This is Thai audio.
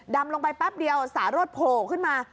ดำลงไปแป๊บเดียวสารสโผล่ขึ้นมา